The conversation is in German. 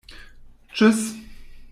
Tschüss!